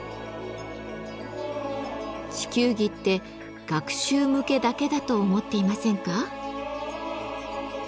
地球儀って学習向けだけだと思っていませんか？